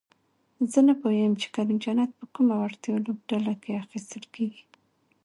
زه نپوهېږم چې کریم جنت په کومه وړتیا لوبډله کې اخیستل کیږي؟